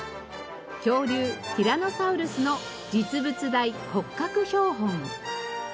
恐竜ティラノサウルスの実物大骨格標本。